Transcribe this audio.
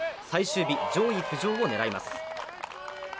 最終日、上位浮上を狙います。